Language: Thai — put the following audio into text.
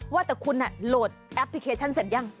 ว่าแต่คุณโหลดแอปพลิเคชันเสร็จยัง